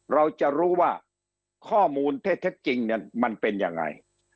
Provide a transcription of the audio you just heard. เราจะรู้ว่าข้อมูลเท็จจริงเนี่ยมันเป็นยังไง